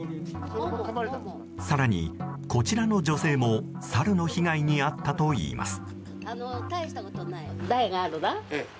更に、こちらの女性もサルの被害に遭ったといいます。